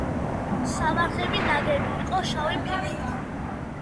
სამარხები ნაგები იყო შავი ფიქლით.